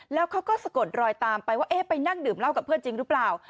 แล้วเขาก็สะกดรอยตามไปว่าเอ๊ะไปนั่งดื่มเหล้ากับเพื่อนจริงหรือเปล่า